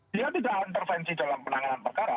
dia tidak intervensi dalam penanganan perkara